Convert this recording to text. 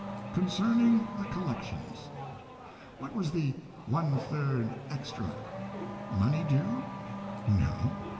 CONCERNING THE COLLECTIONS. What was the "one third extra" ? Money due ? No.